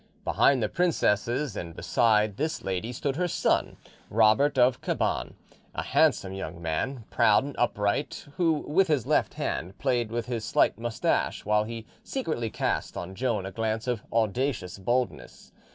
Behind the princesses and beside this lady stood her son, Robert of Cabane, a handsome young man, proud and upright, who with his left hand played with his slight moustache while he secretly cast on Joan a glance of audacious boldness.